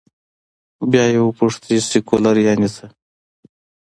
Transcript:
بیا یې وپوښت، چې سیکولر یعنې څه؟